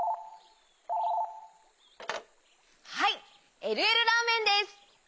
☎はいえるえるラーメンです！